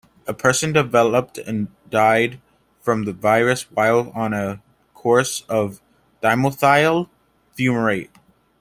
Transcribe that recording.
A person developed and died from the virus whilst on a course of dimethyl-fumarate.